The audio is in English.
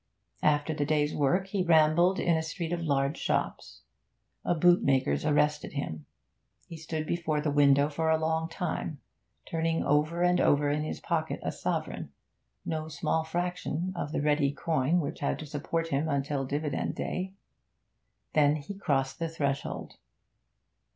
After the day's work he rambled in a street of large shops. A bootmaker's arrested him; he stood before the window for a long time, turning over and over in his pocket a sovereign no small fraction of the ready coin which had to support him until dividend day. Then he crossed the threshold.